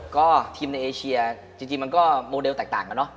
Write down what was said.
ก็ทีมในเอเชียจริงมันก็โมเดลแตกต่างกันเนอะ